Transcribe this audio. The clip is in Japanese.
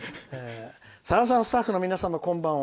「さださん、スタッフの皆様こんばんは。